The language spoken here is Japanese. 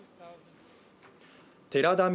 寺田稔